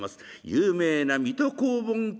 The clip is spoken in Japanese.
有名な「水戸黄門記」